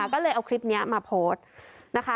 ก็เลยเอาคลิปนี้มาโพสต์นะคะ